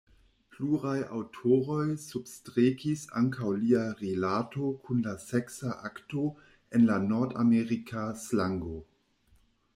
Pluraj aŭtoroj substrekis ankaŭ lia rilato kun la seksa akto en la nordamerika slango.